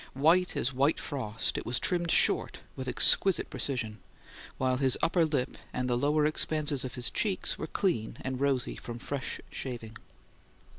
White as white frost, it was trimmed short with exquisite precision, while his upper lip and the lower expanses of his cheeks were clean and rosy from fresh shaving.